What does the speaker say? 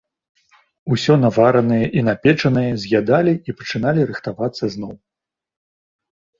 Усё наваранае і напечанае з'ядалі і пачыналі рыхтавацца зноў.